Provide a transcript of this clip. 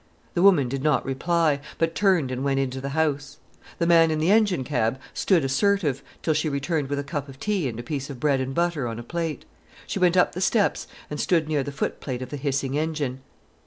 The woman did not reply, but turned and went into the house. The man in the engine cab stood assertive, till she returned with a cup of tea and a piece of bread and butter on a plate. She went up the steps and stood near the footplate of the hissing engine.